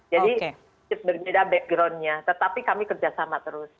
jadi berbeda backgroundnya tetapi kami kerja sama terus